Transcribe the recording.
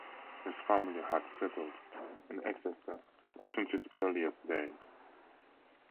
His family had settled in Exeter since its earliest days.